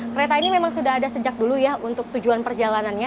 kereta ini memang sudah ada sejak dulu ya untuk tujuan perjalanannya